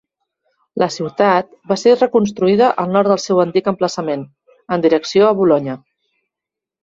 La ciutat va ser reconstruïda al nord del seu antic emplaçament, en direcció a Bolonya.